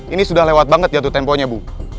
ini sudah lewat banget jatuh temponya bu